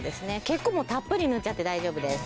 結構もうたっぷり塗っちゃって大丈夫です。